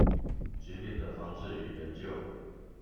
疾病的防治與研究